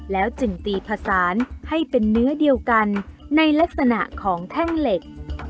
แล้วจึงตีผสานให้เป็นเนื้อเดียวกันในลักษณะของแท่งเหล็ก